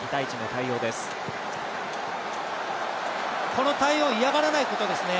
この対応、嫌がらないことですね。